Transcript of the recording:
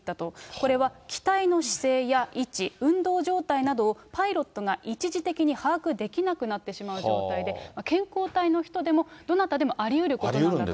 これは機体の姿勢や位置、運動状態などを、パイロットが一時的に把握できなくなってしまう状態で、健康体の人でも、どなたでもありうることなんだと。